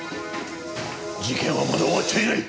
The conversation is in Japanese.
事件はまだ終わっちゃいない！